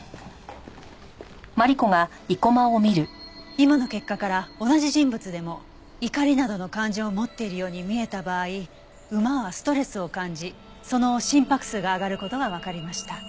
今の結果から同じ人物でも怒りなどの感情を持っているように見えた場合馬はストレスを感じその心拍数が上がる事がわかりました。